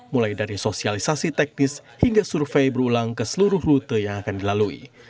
mulai dari sosialisasi teknis hingga survei berulang ke seluruh rute yang akan dilalui